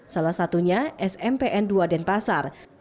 salah satunya smpn dua denpasar